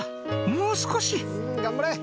もう少しん頑張れ！